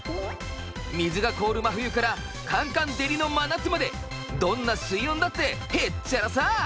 水が凍る真冬からかんかん照りの真夏までどんな水温だってへっちゃらさ。